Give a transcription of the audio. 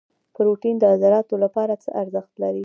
پروټین د عضلاتو لپاره څه ارزښت لري؟